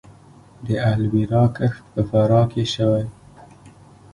د الوویرا کښت په فراه کې شوی